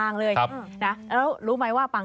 อันนี้กระจายไปเลยครับยิ้มแขนแห่ง